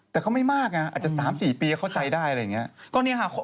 แต่เขาไม่มากไงอาจจะ๓๔ปีเข้าใจได้อะไรอย่างนี้